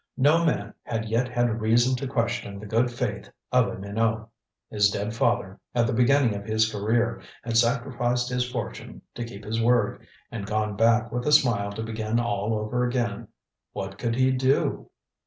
No man had yet had reason to question the good faith of a Minot. His dead father, at the beginning of his career, had sacrificed his fortune to keep his word, and gone back with a smile to begin all over again. What could he do?